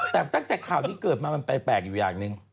แต่ตั้งแต่ข่าวนี้เกิดมามันแปลกอยู่อย่างหนึ่ง